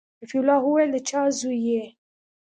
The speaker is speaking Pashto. رفيع الله وويل د چا زوى يې.